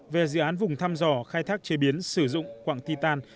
về dự án vùng thăm dò khai thác chế biến sử dụng quặng ti tan